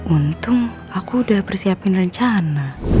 untung aku udah persiapin rencana